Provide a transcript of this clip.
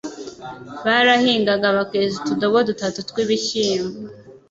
Barahingaga bakeza utudobo dutatu tw'ibishimbo